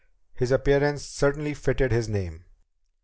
His appearance certainly fitted his name.